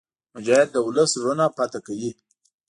مجاهد د ولس زړونه فتح کوي.